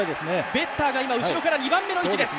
ベッターが今、後ろから２番目の位置です。